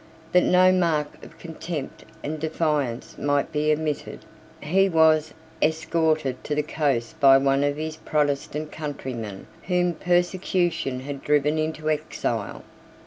That no mark of contempt and defiance might be omitted, he was escorted to the coast by one of his Protestant countrymen whom persecution had driven into exile.